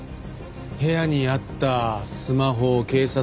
部屋にあったスマホ警察手帳